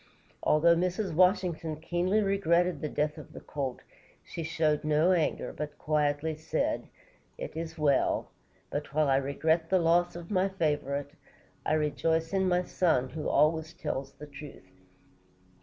Although Mrs. Washington keenly regretted the death of the colt, she showed no anger, but quietly said: "It is well; but while I regret the loss of my favorite, I rejoice in my son, who always speaks the truth."